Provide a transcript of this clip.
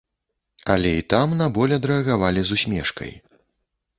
Але і там на боль адрэагавалі з усмешкай.